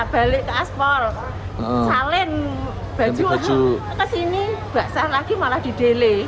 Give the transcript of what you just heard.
balik ke aspol salen baju ke sini saat lagi malah di dele